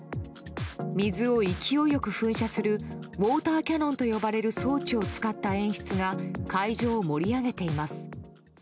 水を勢いよく噴射するウォーターキャノンと呼ばれる装置を使った演出が会場を盛り上げています。